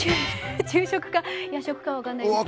昼食か夜食かは分かんないですけど。